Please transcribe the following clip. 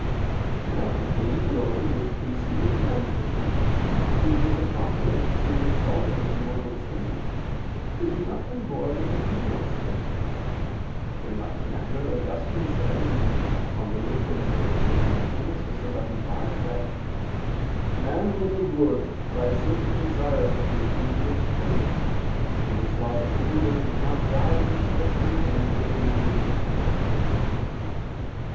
Now the vainglory which preceded man's defeat, which was accomplished through his falling into mortal sin, could be nothing more than a venial sin. In like manner, Augustine says (Gen. ad lit. xi, 5) that "man was allured by a certain desire of making the experiment, when he saw that the woman did not die when she had taken the forbidden fruit."